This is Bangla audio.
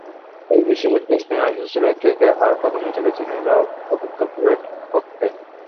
তবে বিশেষজ্ঞ স্পিনার হিসেবে কেকেআর প্রথম ম্যাচে বেছে নিল অভিজ্ঞ ব্র্যাড হগকে।